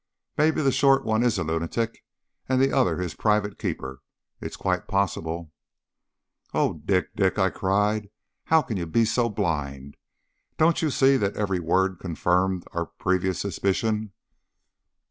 Maybe the short one is a lunatic, and the other his private keeper. It's quite possible." "O Dick, Dick," I cried, "how can you be so blind! Don't you see that every word confirmed our previous suspicion?"